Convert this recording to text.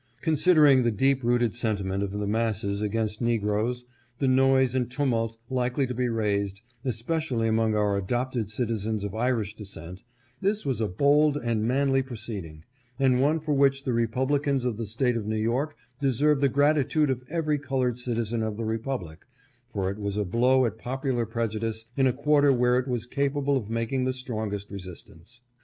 Consid ering the deep rooted sentiment of the masses against REASONS FOR SUPPORTING GENERAL GRANT. 509 Negroes, the noise and tumult likely to be raised, espe cially among our adopted citizens of Irish descent, this was a bold and manly proceeding, and one for which the Republicans of the State of New York deserve the grati tude of every colored citizen of the Republic, for it was a blow at popular prejudice in a quarter where it was capable of making the strongest resistance.